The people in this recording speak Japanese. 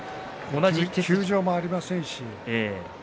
休場もありませんし。